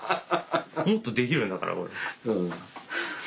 もっとできるんだから俺。